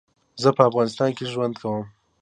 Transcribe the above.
زه په افغانستان کي ژوند کوم